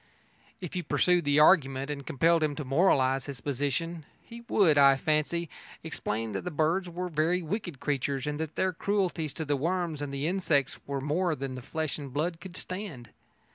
If you pursued the argument and compelled him to moralise his position, he would, I fancy, explain that the birds were very wicked creatures and that their cruelties to the worms and the insects were more than flesh and blood could stand.